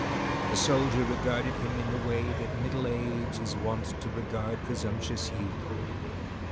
The soldier regarded him in the way that middle age is wont to regard presumptuous youth.